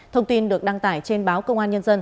thông tin được đăng tải trên báo công an nhân dân